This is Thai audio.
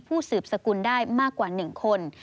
สืบสกุลได้มากกว่า๑คน